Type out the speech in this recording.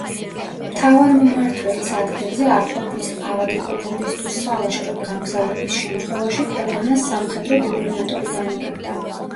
მთავარმმართველის ადგილზე არყოფნის, ავადმყოფობის თუ სალაშქროდ გამგზავრების შემთხვევაში ქვეყანას სამხედრო გუბერნატორი განაგებდა.